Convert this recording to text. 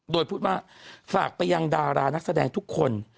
โดยพูดว่าฝากไปยังดารานักแสดงทุกคน